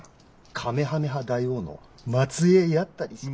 カメハメハ大王の末えいやったりして。